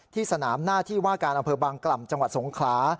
สนามหน้าที่ว่าการอำเภอบางกล่ำจังหวัดสงขลา